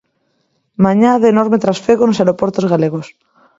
Mañá de enorme trasfego nos aeroportos galegos.